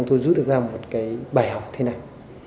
chúng tôi rút ra một bài học thế này